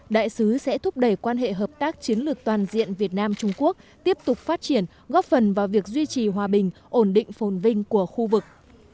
đại sứ sẽ thúc đẩy quan hệ hợp tác chiến lược toàn diện việt nam trung quốc tiếp tục phát triển góp phần vào việc duy trì hòa bình ổn định phồn vinh của khu vực